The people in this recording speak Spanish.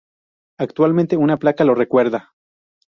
Actualmente una placa lo recuerda.